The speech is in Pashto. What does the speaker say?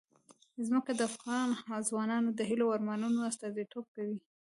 ځمکه د افغان ځوانانو د هیلو او ارمانونو استازیتوب کوي.